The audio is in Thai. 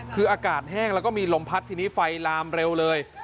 คืออากาศแห้งแล้วก็มีลมพัดทีนี้ไฟลามเร็วเลย